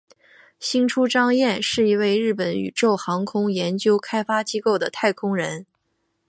星出彰彦是一位日本宇宙航空研究开发机构的太空人。